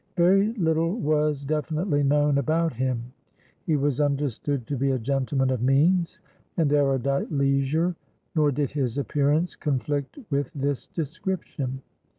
Very little was definitely known about him. He was understood to be a gentleman of means and erudite leisure, nor did his appearance conflict with this description.